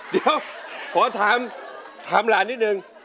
เดี๋ยวขอถามหลานนิดนึง